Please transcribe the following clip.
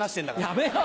やめろ！